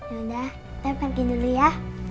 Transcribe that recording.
yaudah saya pergi dulu ya